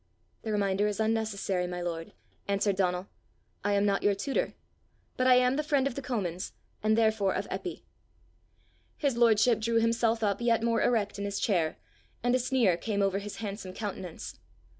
"The reminder is unnecessary, my lord," answered Donal. "I am not your tutor, but I am the friend of the Comins, and therefore of Eppy." His lordship drew himself up yet more erect in his chair, and a sneer came over his handsome countenance.